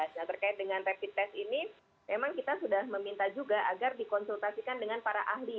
jadi kita sudah meminta agar dikonsultasikan dengan para ahli